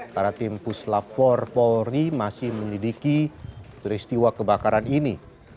karena tim pusat laboratorium forensik mabespori masih menyelidiki teristiwa kebakaran ini